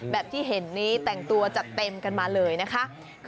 แบบที่เห็นนี้แต่งตัวจัดเต็มกันมาเลยนะคะ